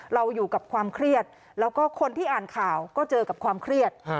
เราอยู่กับความเครียดแล้วก็คนที่อ่านข่าวก็เจอกับความเครียด